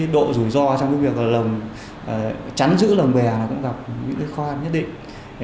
độ rủi ro trong việc trắn giữ lồng bè cũng gặp những khó khăn nhất định